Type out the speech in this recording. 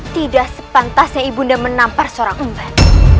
tidak sepantasnya ibu nda menampar seorang umbat